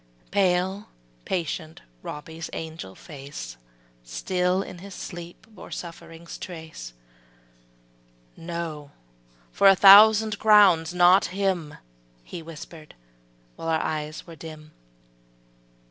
Pale, patient Robbie's angel face Still in his sleep bore suffering's trace; ``No, for a thousand crowns, not him,'' He whispered, while our eyes were dim.